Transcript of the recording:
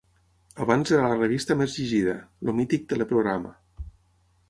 Abans era la revista més llegida, el mític Teleprograma.